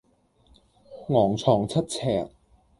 昂藏七尺